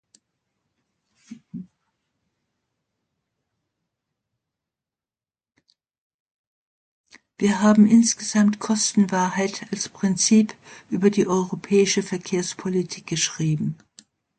Wir haben insgesamt Kostenwahrheit als Prinzip über die europäische Verkehrspolitik geschrieben.